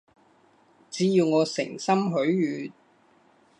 只要我誠心許願